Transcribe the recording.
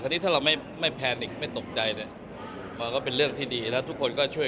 อันนี้ถ้าเราไม่ไม่แพนิกไม่ตกใจเนี่ยมันก็เป็นเรื่องที่ดีแล้วทุกคนก็ช่วย